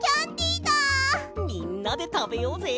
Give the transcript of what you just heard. みんなでたべようぜ。